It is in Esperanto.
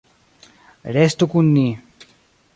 Restu kun ni.